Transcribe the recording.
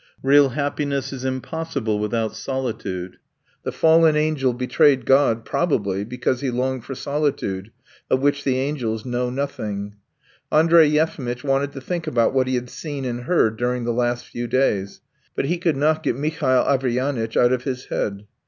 Real happiness is impossible without solitude. The fallen angel betrayed God probably because he longed for solitude, of which the angels know nothing. Andrey Yefimitch wanted to think about what he had seen and heard during the last few days, but he could not get Mihail Averyanitch out of his head.